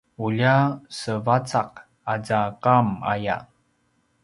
ulja sevacaq aza qam aya